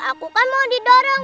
aku kan mau didorong